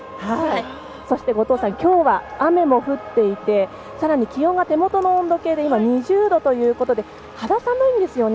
そして、後藤さん今日は雨も降っていてさらに気温は手元の温度計で２０度ということで肌寒いんですよね。